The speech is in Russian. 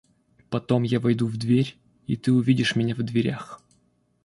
Потом я войду в дверь и ты увидишь меня в дверях.